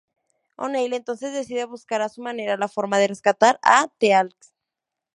O’Neill entonces decide buscar a su manera la forma de rescatar a Teal’c.